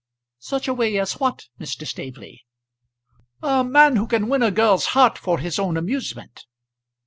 "Such a way as what, Mr. Staveley?" "A man who can win a girl's heart for his own amusement."